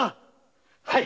はい！